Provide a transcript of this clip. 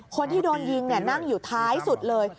คนที่โดนยิงนั่งอยู่ท้ายสุดเลย